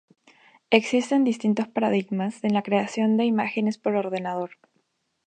Existen distintos paradigmas en la creación de imágenes por ordenador.